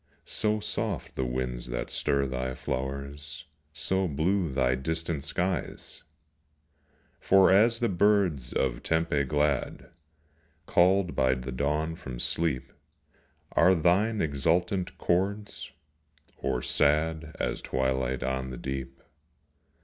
(So soft the winds that stir thy flow'rs, So blue thy distant skies!) 25 POESY. For as the birds of Tempe glad, Called by the dawn from sleep, Are thine exultant chords, or sad As twilight on the deep.